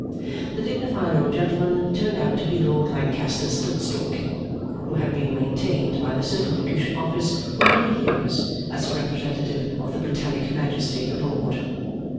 The dignified old gentleman turned out to be Lord Lancaster Stiltstalking, who had been maintained by the Circumlocution Office for many years as a representative of the Britannic Majesty abroad.